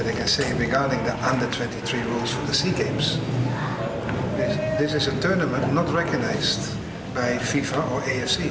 jika saya tidak ingin mengeluarkan satu ratus dua puluh tiga pemain ke pssi kita memiliki hak di sisi kami